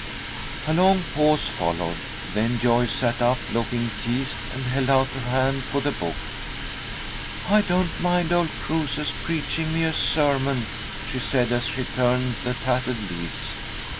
'" A long pause followed. Then Joyce sat up, looking teased, and held out her hand for the book. "I don't mind old Crusoe's preaching me a sermon," she said, as she turned the tattered leaves.